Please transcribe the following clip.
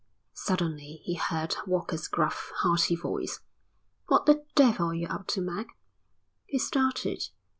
Suddenly he heard Walker's gruff, hearty voice. "What the devil are you up to, Mac?" He started.